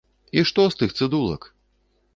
І што з тых цыдулак?